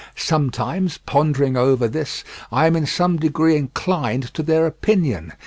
Sometimes pondering over this, I am in some degree inclined to their opinion.